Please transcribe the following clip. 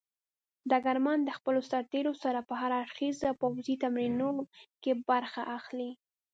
ډګرمن د خپلو سرتېرو سره په هر اړخيزو پوځي تمرینونو کې برخه اخلي.